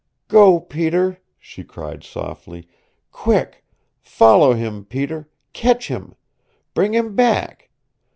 "Go, Peter!" she cried softly. "Quick! Follow him, Peter catch him bring him back!